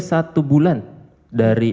satu bulan dari